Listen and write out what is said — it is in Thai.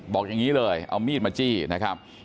บอกอย่างนี้เลยเอามีดมาจี้นะครับ